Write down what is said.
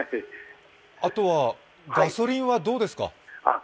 ガソリンはどうですか？